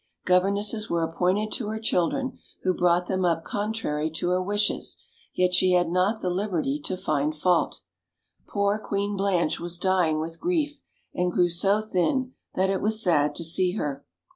Governesses were appointed to her children, who brought them up contrary to her wishes; yet she had not the liberty to find fault. Poor Queen Blanche was dying with grief, and grew so thin that it was sad to see her.